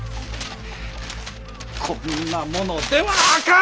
こんなものではあかん！